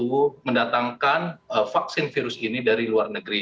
untuk mendatangkan vaksin virus ini dari luar negeri